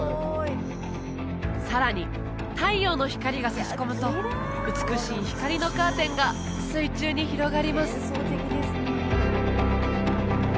さらに太陽の光が差し込むと美しい光のカーテンが水中に広がります